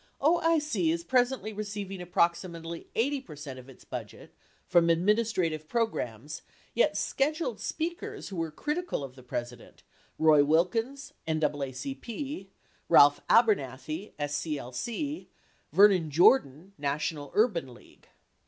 OIC is presently receiving approximately 80% of its budget [from Administration programs] yet scheduled speakers who were critical of the President (Roy Wilkins, NAACP ; Ralph Abernathy, SCLC ; Vernon Jordan, National Unban League)